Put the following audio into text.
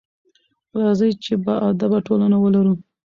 راځئ چې باادبه ټولنه ولرو.